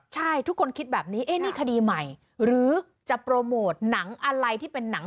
ใช่ทุกคนคิดแบบนี้นี่คดีใหม่หรือจะโปรโมทหนังอะไรที่เป็นหนัง